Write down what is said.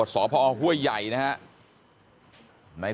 บอกแล้วบอกแล้วบอกแล้ว